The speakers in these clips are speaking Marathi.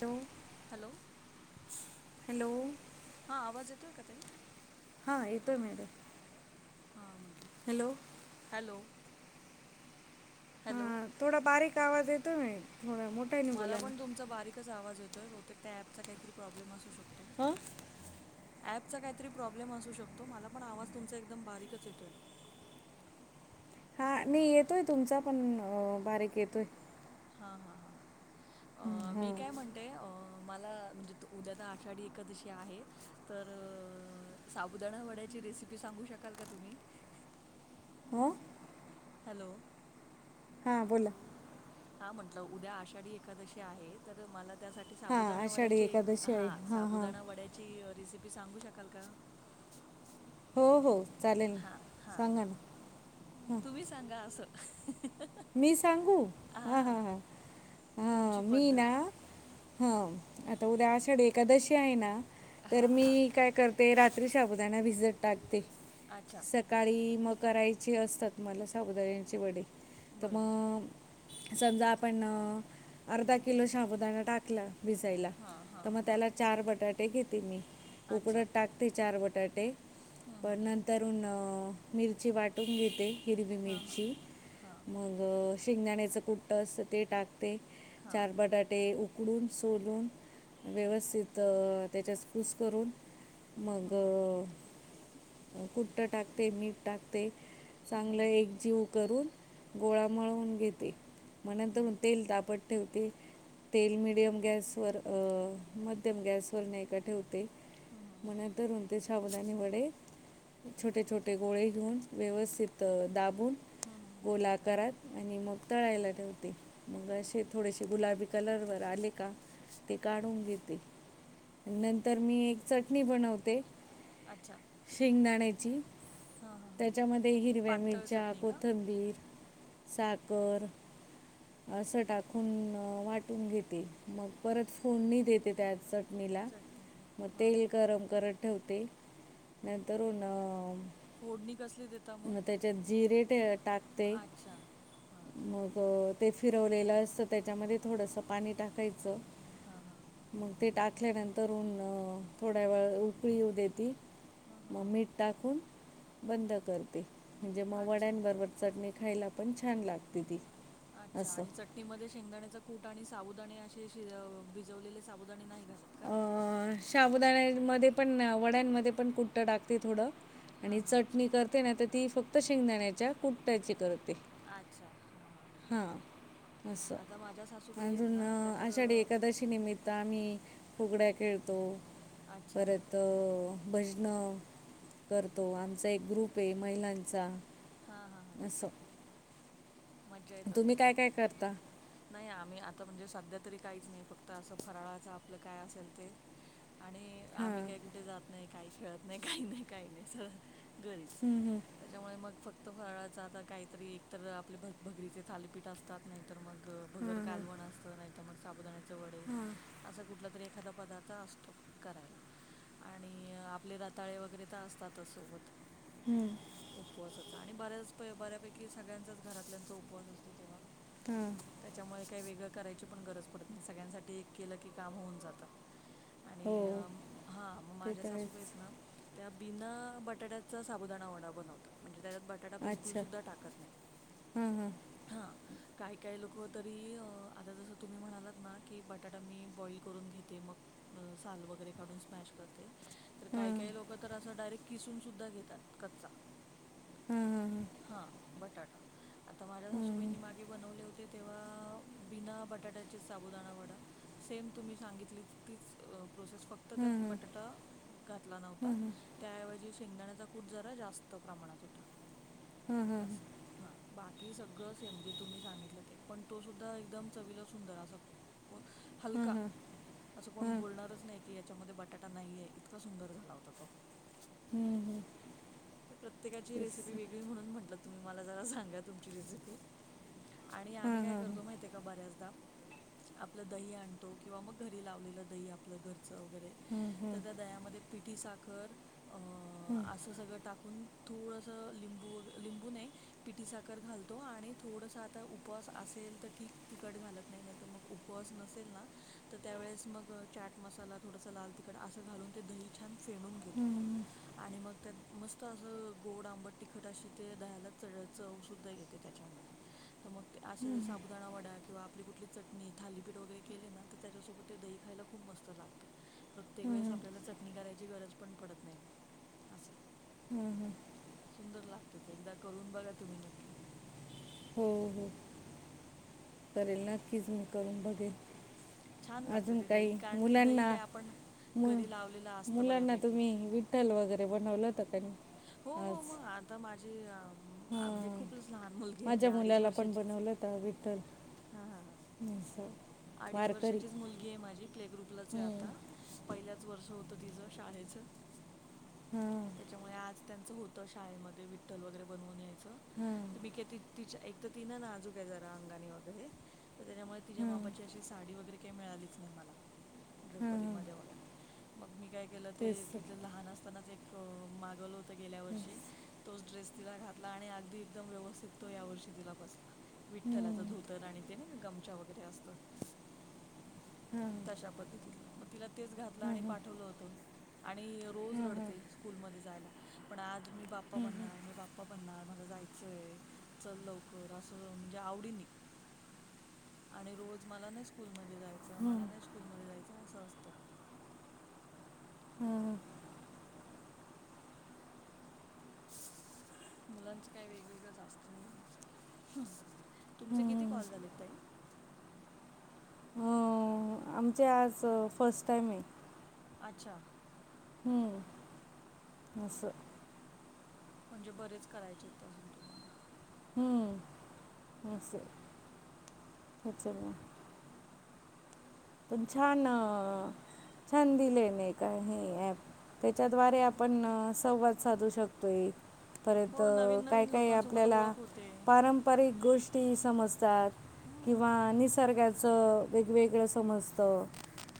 हॅलो. हॅलो. हॅलो.... हा आवाज येतोय का ताई. हां येतोय मॅडम. हा म्हंटे. हॅलो. हॅलो. हॅलो.. हां थोडा बारीक आवाज येतो ना थोडा मोठा. मला पण तुमचा बारीकच आवाज येतोय. बहुतेक त्या ॲपचा काहीतरी प्रॉब्लेम असू शकतो. ह... ॲपचा काहीतरी प्रॉब्लेम असू शकतो. मला पण आवाज तुमचा एकदम बारीकच येतोय. हा. मी येतोय तुमचा पण, बारीक येतोय. हा हा हा, हं, अ.. मी हां काय म्हणते. ते अ मला म्हणजे तर उद्या तर आषाढी एकदशी आहे तर. साबुदाणा वड्याची रेसिपी सांगू शकाल का तुम्ही? हो.. हॅलो. ‌ हां बोला. हा म्हंटलं, उद्या आषाढी एखादशी आहे तर मला.. त्यासाठी हां साबुदाणा आषाढी वड्याची एक, एकादशी आहे हां हां साबुदाणा वड्याची रेसिपी सांगू शकाल का? हो हो. चालेल हा हा सांगा ना. तुम्ही सांगा असं. मी सांगू, हा हा ह हा तुमची मी ना. पद्धत हा, आता उद्या आषाढ एकादशी आहे ना, तर हा हा मी काय करते. ते रात्री शाबुदाना भिजत टाकते. अच्छा! सकाळी मग करायचे असतात मला साबुदाण्याचे वडे. तर बरोबर मग समजा आपण अ.. अर्धा किलो शाबदाणा टाकला. भिजायला, हा हा तर मग हा त्याला चार बटाटे घेते मी. अच्छा उकळत टाकते चार बटाटे पण नंतर, न.. मिरची वाटून घेते. हिरवी हा हा. मिरची हा. मग शेंगदाण्याचं कुट्टं असतं ते टाकते. हा चार बटाटे उ- उकडून, सोलून व्यवस्थित त्याच्यात कूस करून. मग कुट्टा टाकते, मीठ टाकते. ते चांगलं एकजीव करून- गोळा मळवून घेते, मग नंतर तेल तापत- ठेवते. तेल मिडियम गॅसवर अ.. मध्यम गॅस वर नाही का ठेवते. मग नंतर ते साबुदाणी वडे- छोटे छोटे गोळे घेऊन व्यवस्थित दाबून- हम्म.. गोलआकारात आणि मग तळायला ठेवते. मग असे थोडेसे गुलाबी कलरवर आले का, ते काढून घेते. नंतर मी एक चटणी बनवते. अच्छा! शेंगदाण्याची. हा हा हा त्याच्यामध्ये हिरव्या, पातळ मिरच्या, चटणी का कोथंबीर, साखर, अस टाकून वाटून घेते, मग परत फोडणी देते त्यात चट- चटणीला चटणीला मग हां तेल गरम करत ठेवते नंतरन- फोडणी कसली देताव. त्याच्यात जिरे टाकते हां मग, ते फिरवलेलं असतं त्याच्यामध्ये थोडंसं पाणी टाकायचं. हां हां मग ते टाकल्यानंतरऊन थोड्या वेळ उकळी येऊ देते हां मग हां मीठ- टाकून बंद करते. म्हणजे मग अच्छा वड्यां बरोबर चटणी- खायला पण छान लागते ती असं- तीमध्ये शेंगदाण्याचा कूट आणि साबुदाणे असे शि भिजवलेले साबुदाणे नाही घालत. का अ शबुदाण्यामध्ये पण वड्यांमध्ये पण कुट्टा टाकते थोडं- हां आणि हां चटणी करते ना तर ती फक्त शेंगदाण्याच्या कुट्ट्याची करते. अच्छा हा हा हां असं सासूबाई आहेत अजून ना त्या तर आषाढी अ, एकादशी निमित्त- मित्त आम्ही फुगड्या खेळतो अच्छा परत- तर भजनं करतो, आमचा एक ग्रुप आहे महिलांचा. हा हा हा असं मज्जा येत तुम्ही असेल काय मग काय करता? नाही आम्ही आता म्हणजे सध्या तरी काहीच नाही फक्त असं फराळाचं आपलं काय असेल ते. आणि आम्ही हां काय कुठे जात नाही काही खेळत नाही काही नाही काही नाही सगळ घरीचं. हम् हम् त्याच्यामुळे मग फक्त फराळाच आता काहीतरी एकत आपले भग- भगरीचे थालीपीठ असतात नाही. नाही तर मग भगर कालवण असत नाही तर मग साबुदाण्याचे वडे. असा कुठला तरी एखादा पदार्थ असतो करायला. आणि आपले रताळे वगैरे तर असतातच सोबत. हम्म, उपवासाचा आणि बऱ्याच बऱ्यापैकी सगळ्यांचाच घरातल्याचा उपवास असतो तेव्हा. हम् त्याच्यामुळे काही वेगळं करायची पण गरज पडत नाही सगळ्यांसाठी एक केलं की काम होऊन जातं. आणि हो हा मग ते माझ्या तर सासू बाई आहेत आहेच ना - त्या बिना बटाट्याचा साबुदाणावडा बनवतात म्हणजे त्याच्यात बटाटा बिलकुल सुुद्धा टाकत नाही. हम् हम् हा काय - काय लोक तरी आता जसं तुम्ही म्हणालात ना की बटा - बटाटा मी बॉईल करून घेते मग साल वगैरे काढून स्मॅश करते. तर काही- हां काही लोक तर असं डायरेक्ट किसून सुद्धा घेतात कच्चा. हा हां हां. हां बटाटा. आता माझ्या सासू हां बाईंनी मागे बनवले होते तेव्हा बिना बटाट्याचे साबुदाणा वडा- सेम तुम्ही सांगितली तीचं प्रोसेस फक्त. तर हां त्यात बटाटा घातला नव्हता. त्याऐवजी शेंगदाण्याचा कूट जरा जास्त प्रमाणात होता असं हां. बाकी सगळं सेम जे तुम्ही सांगितलं ते पण तो सुद्धा एकदम चवीला सुंदर असं. हां हलका हां असं कोण बोलणारच नाही. की याच्या मध्ये बटाटा नाहीये इतका सुंदर झाला होता तो. हां हां प्रत्येकाची तेच रेसिपी वेगळी म्हणून म्हंटलं तुम्ही मला जरा सांगत. तुमची रेसिपी आणि हां आम्ही काय हां हां करतो माहिती. ते का बऱ्याचदा आपलं दही आणतो किंवा मग घरी लावलेलं दही आपलं घरचं वगैरे - तर त दह्यामध्ये पिठी साखर असं सगळं टाकू - कुन थोडस लिंबू - लिंबू नाही पिठी साख - साखर घालतो आणि थोडस आता उपवास असेल तर ठीक तिखट घालत नाही नाही तर मग. उपवास नसेल ना तर त्यावेेळेस मग चाट मसाला थोडासा लाल तिखटं असं घालून ते दही. छान फेणून घेतो हां आणि मग. त्यात मस्त असं गोड आंबट तिखट अशी ते दहाला चढ चव सुद्धा येते त्याच्यामुळे. तर मग असं साबुदाणा वडा किंवा - आपली कुठली चटणी थालीपीठ वगैरे केले ना तर त्याच्यासोबत ते दही खायला खूप मस्त लागत. प्रत्येक हां वेळेसं हां आपल्याला चटणी करायची गरज पण पडतं नाही मग असं. हम् हम, सुंदर लागते ते एकदा करून बघा तुम्ही नक्की. हो हो करेल नक्कीच मी करून बघेलं. छान लागतं अजून ते काही दही कारण की दही मुलांना? काय आपण घरी लावलेलं असतं मुलांना बऱ्यापैकी तुम्ही विठ्ठल वगैरे बनवलं होत का नी? हो हो मग आता माझी. म्हणजे हां खूपच लहान मुलगी आहे म्हणजे माझ्या अडीच मुलाला पण वर्षाचीच आहे बनवलं हा ह. अस अडीच वर्षाचीच मुलगी आहे माझी, प्ले ग्रुपलाच आहे हम्म. आता पहिल्याच वर्ष होत तिचं शाळेचं हम्म. त्याच्यामुळे आज त्यांचं होतं शाळेमध्ये विठ्ठल वगैरे बनवून यायचं. हम्म. तर मी काय तिच्या, एक तर ती न नाजूक आहे जरा अंगानी वगैरे तर त्याच्यामुळे तिच्या हां मापा साडी वगैरे काही मिळालीच नाही मला हां ड्रोपरीमध्ये वगैरे. मग मी काय केलं ते तेच तर. तिचं लहान असतानाच एक मागवलं होत त गेल्या वर्षी तोच ड्रेस तिला घातला आणि अगदी एकदम व्यवस्थित तो या वर्षी तिला बसला. विठ्ठलाचं हम्म, धोतर आणि ते नाही का गमचा वगैरे असतं तशा पद्धतीतल मग तिला तेच घातलं आणि पाठवलं होतं. आणि रोज रडते स्कूलमध्ये जायला. पण आज मी बाप्पा बनणार मी बाप्पा प्पा बनणार मला जायचंय चल लवकर असं म्हणजे आवडीनी आणि रोज मला नाही स्कूलमध्ये जायचं मला नाही स्कूलमध्ये जायचं असं असतं. हा. मुलांचं काही वेगवेगळंच असतं, नाही. तुमचे किती हां कॉल झालेत ताई? अह आमचे आज फस्ट टाइम आहे. आच्छा. हम्म अस. म्हणजे बरेच करायचे आहेत अजून तुम्हाला. हम्म अस आहे, [unintelligible] तुम छान छान दिले नाय का ही ऍप त्याच्याद्वारे आपण संवाद साधू शकतोय. परंत हो नवीन काय नवीन काय लोकांसोबत आपल्याला ओळख होते परंपा पारिक गोष्टी समजतात हम्म किंवा निसर्गाचं वेगवेगळं समजत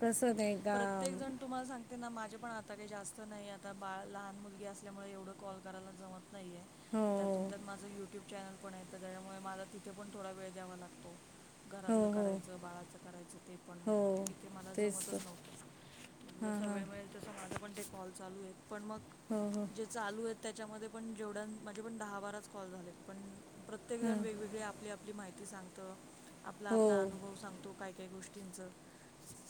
कसं नाही का प्रत्येकजण तुम्हाला सांगते ना माझे पण आता काही जास्त नाही आता बाळ लहान मुलगी असल्यामुळे एवढं कॉल करायला जमत नाहीए, त्यातून हो त्यात माझं युट्यूब चॅनल पण आहे, त्याच्यामुळे मला तिथे पण थोडा वेळ द्यावा लागतो हो घरातलं हो करायचं, बाळाचं करायचं ते पण हो मग इथे मला तेच तर जमतच नव्हतं. हां जसा हां वेळ मिळेल तसं माझं पण ते कॉल चालू आहेत पण मग हो हो. जे चालू आहेत त्याच्यामध्ये पण जेवढ्या माझे पण दहा बाराच कॉल झालेत पण प्रत्येकजण वेगवेगळे आप आपली आपली माहिती सांगतं, आपला आपला हो अनुभव सांगतो काय काय गोष्टींचं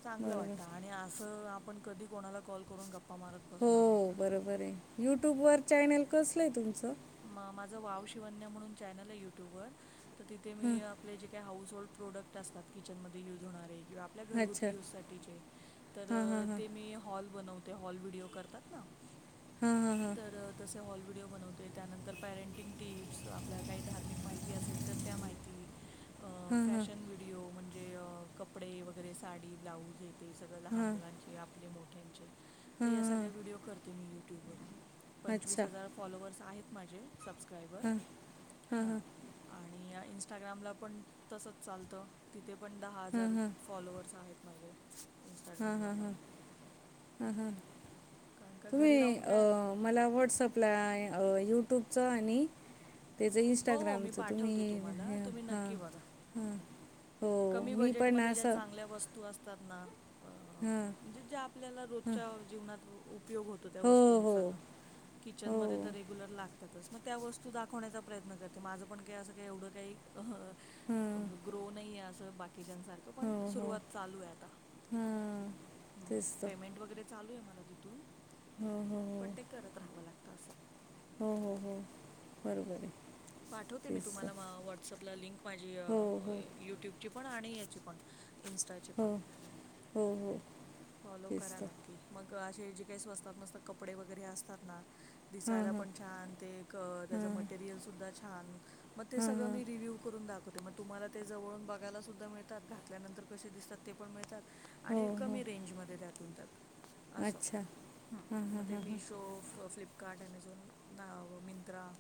चांगलं बरोबर वाटतं आणि असं आपण कधी कोणाला कॉल करून गप्पा मारत हो बसणार आहोत. बरोबर आहे. यूट्यूबवर चॅनेल कसलं आहे तुमचं? म माझं वाव शिवन्या म्हणून चॅनल आहे युट्यूबवर तर तिथे मी आपले जे काही हाऊस होल्ड प्रोडक्ट असतात किचनमध्ये युज होणारे किंवा आपल्या अच्छा घरगुती यूजसाठीचे तर हां हां हां ते मी हॉल बनवते. ते हॉल व्हिडिओ करतात ना. हां हां हां तर तसे हॉल व्हिडिओ बनवते ते त्यानंतर पॅरेंटिंग टिप्स आपल्याला काही धार्मिक माहिती असेल तर त्या माहिती अह फॅशन व्हिडीओ म्हणजे कपडे वगैरे, साडी, ब्लाऊज हे ते सगळं लहान मुलांचे आपले मोठ्यांचे तर या सगळ्या व्हिडिओ करते मी यू ट्यूब वर. पंचवीस अच्छा हजार फॉलोवर्स आहेत माझे सबस्क्रायबर हां. आणि इंस्टाग्रामला पण तसच चालतं तिथे पण दहा हजार फॉलोवर्स आहेत माझे. हा इंस्टाग्रामला हा पण हा ह ह कारण का घरी तुम्ही राहून अ काय मला व्हॉट्सअपला यूट्यूबचं आणि तेज हो हो मी इनस्टाग्रामच तुम्ही पाठवते तुम्हाला हे तुम्ही हा नक्की बघा. हा. कमी बजेटमध्ये ज्या चांगल्या वस्तू असतात ना अ हां म्हणजे ज्या आपल्याला रोजच्या जीवनात उपयोग होत तो त्या हो हो वस्तूंचा हो किचनमध्ये तर रेग्युलर लाग तातच मग त्या वस्तू दाखवण्याचा प्रयत्न करते माझं पण काय असं का एवढं काही हां ग्रो नाहीये अस बाकीच्यां सारखं. क पण हो हो सुरवात चालू आहे आता हां तेच तर पेमेंट वगैरे चालूये मला तिथून हो हो पण ते करत राहावं लागतं असं. हो हो हो बरोबर आहे. पाठवते मी तेच तर तुम्हाला म व्हॉट्सअपला लिंक माझी हो हो यूट्यूब ची पण आणि याची पण इनस्टा हो हो हो. फॉलो तेच करा तर नक्की मग असे जे काही स्वस्तात मस्त कपडे वगैरे असतात ना हां दिसायला हां पण छान ते क त्याचं मटेरियल सुद्धा छान म ते सगळं मी रिव्हू करून दाव ते मग तुम्हाला ते जवळून बघायला सुद्धा मिळतात घातल्यानंतर कसे दिसतात ते पण मिळतात. हो आणि हो कमी रेंजमध्ये त्यातून त्यात. असं अच्छा हम म ते मिशो, फ फ्लिप कार्ट ॲमेझॉन ना मिंत्रा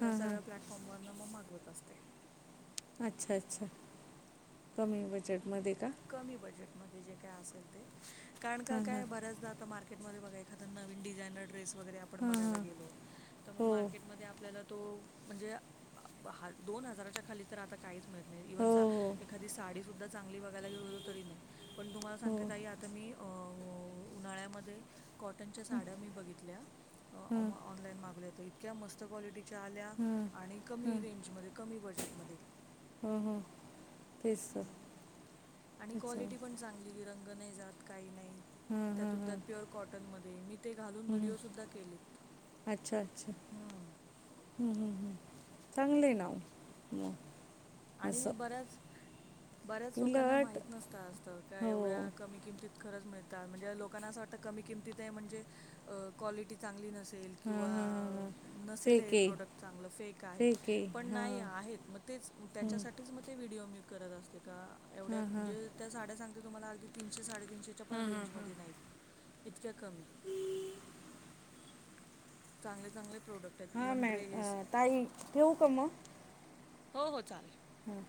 या सगळ्या प्लॅटफॉर्मवरन म मागवत असते. अच्छा अच्छा कमी बजेटमध्ये का? कमी बजेटमध्ये जे काय असेल ते कारण का काय बऱ्याचदा आता मार्केटमध्ये बघा एखाद नवीन डिझानर ड्रेस वगैरे आपण हां बघायला हां गेलो तर म हो मार्केट मधे आपल्याला तो म्हणजे हा दोन हजाराच्या खाली तर आता काहीच मिळत नाही हो इव्हन सा हो एखादी साडी सुद्धा चांगली बघायला गेऊ गलो तरी नाही पण तुम्हाला हो सांगते ताई आ त मी अं उन्हाळ्यामध्ये कॉटनच्या साड्या मी बघितल्या अ हां ऑनलाईन मागल्या तर इतक्या मस्त क्वालिटी च्या आल्या हं, आणि कमी रेंजमध्ये कमी बजेटमध्ये. हम हम. हम आणि त्याच्यावर क्वालिटी पण चांगली रंग नाही जात काही नाही. हं, हं, त्यातून त्यात हं, प्युअर कॉटनमध्ये मी ते घालून हं. व्हिडिओ सुद्धा केलेत. अच्छा अच्छा. हम्म. हम्म हम्म हम् चांगले ना ओ ह. आणि बऱ्याच बऱ्याच लोकांना उलट माहित नसतं असतं का हो एवढ्या कमी किमतीत खरंच मिळतात म्हणजे लोकांना असं वाटतं कमी किमतीत आहे म्हणजे अ क्वालिटी चांगली नसेल हां किंवा हां हां नसेल हे फेके प्रोडक्ट चांगलं फेक आहे. फेके पण हां नाही आहेत म तेच हं. त्याच्यासाठीच म ते व्हिडिओ मी करत असते का एवढ्या म्हणजे त्या साड्या सांगते तुम्हाला अगदी तीनशे साडेतीनशेच्या पण रेंजमध्ये नाहीत. इतक्या कमी, चांगले चांगले प्रोडक्ट आहेत हो इव्हन मॅम, ड्रेस अं ताई, ठेऊ का मग? हो हो चालेल. हम्म.